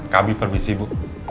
kami permisi bu